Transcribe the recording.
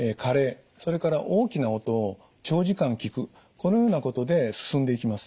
このようなことで進んでいきます。